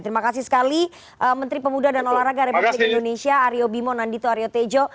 terima kasih sekali menteri pemuda dan olahraga republik indonesia aryo bimo nandito aryo tejo